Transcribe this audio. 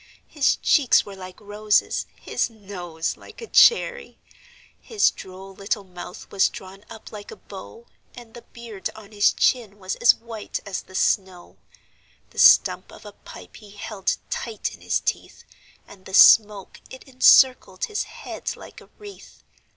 His cheeks were like roses, his nose like a cherry; His droll little mouth was drawn up like a bow, And the beard on his chin was as white as the snow; The stump of a pipe he held tight in his teeth, And the smoke, it encircled his head like a wreath.